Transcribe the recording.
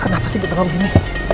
kenapa sih di tengah begini